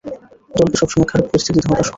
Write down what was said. দলকে সব সময় খারাপ পরিস্থিতিতে হতাশ করে।